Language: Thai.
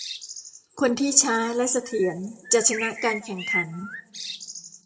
คนที่ช้าและเสถียรจะชนะการแข่งขัน